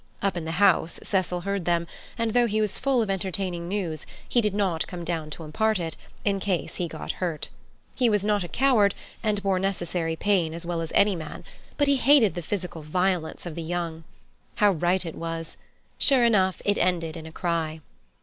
Up in the house Cecil heard them, and, though he was full of entertaining news, he did not come down to impart it, in case he got hurt. He was not a coward and bore necessary pain as well as any man. But he hated the physical violence of the young. How right it was! Sure enough it ended in a cry.